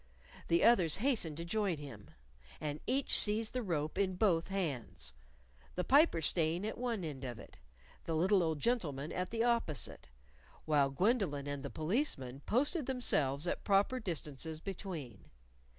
The others hastened to join him. And each seized the rope in both hands, the Piper staying at one end of it, the little old gentleman at the opposite, while Gwendolyn and the Policeman posted themselves at proper distances between.